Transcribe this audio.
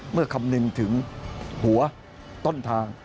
เมื่อคำหนึ่งถึงหัวต้นทาง